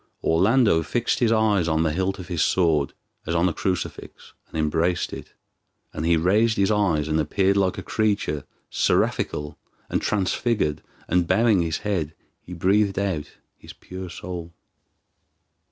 Orlando fixed his eyes on the hilt of his sword as on a crucifix, and embraced it, and he raised his eyes and appeared like a creature seraphical and transfigured, and bowing his head, he breathed out his pure soul.